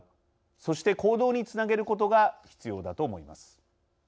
そして、行動につなげることが必要だと思います。